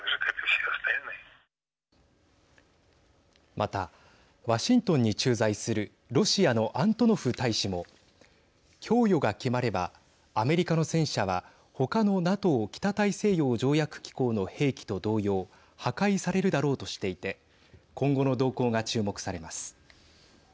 また、ワシントンに駐在するロシアのアントノフ大使も供与が決まればアメリカの戦車は他のＮＡＴＯ＝北大西洋条約機構の兵器と同様破壊されるだろうとしていて今後の動向が注目されます。